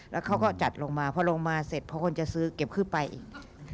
แล้วเขาก็จัดลงมาพอลงมาเสร็จพอคนจะซื้อเก็บขึ้นไปอีก